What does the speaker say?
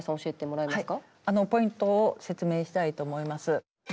はいポイントを説明したいと思います。